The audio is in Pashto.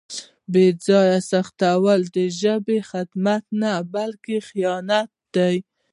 بې ځایه سختول د ژبې خدمت نه بلکې خیانت دی.